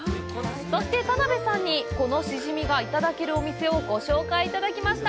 そして、田辺さんにこのシジミがいただけるお店をご紹介いただきました。